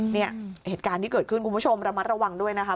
เหตุการณ์ที่เกิดขึ้นคุณผู้ชมระมัดระวังด้วยนะคะ